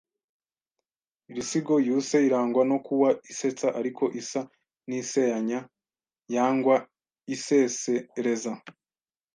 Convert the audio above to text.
Iisigo y’uuse irangwa no kua isetsa ariko isa n’iiseanya yangwa isesereza